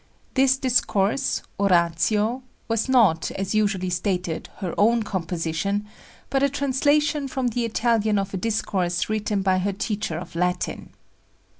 This discourse Oratio was not, as usually stated, her own composition, but a translation from the Italian of a discourse written by her teacher of Latin.